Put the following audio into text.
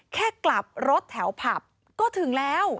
แค่กลับรถแถวผับก็ถึงแล้ว